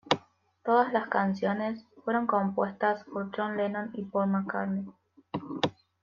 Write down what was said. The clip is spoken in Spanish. Todas las canciones fueron compuestas por John Lennon y Paul McCartney.